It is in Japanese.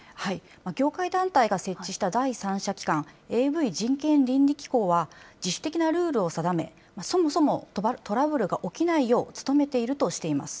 業界団体が設置した第三者機関、ＡＶ人権倫理機構は、自主的なルールを定め、そもそもトラブルが起きないよう努めているとしています。